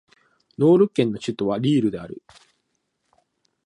ノール県の県都はリールである